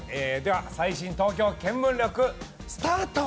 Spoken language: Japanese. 「最新東京見聞録」スタート。